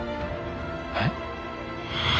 えっ。